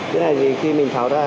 cái này thì khi mình tháo ra